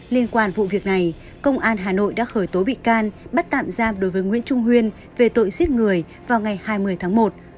liên quan vụ việc này công an hà nội đã khởi tố bị can bắt tạm giam đối với nguyễn trung huyên về tội giết người vào ngày hai mươi tháng một